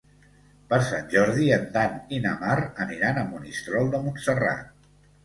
Per Sant Jordi en Dan i na Mar aniran a Monistrol de Montserrat.